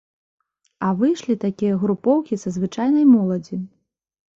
А выйшлі такія групоўкі са звычайнай моладзі.